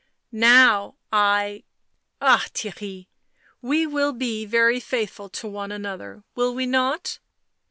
Now 1— ah, Theirry, we will be very faithful to one another, will we not